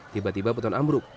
tiba tiba beton ambruk